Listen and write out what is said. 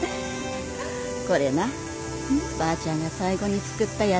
これなばあちゃんが最後に作ったやつよ。